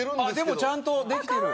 でもちゃんとできてる。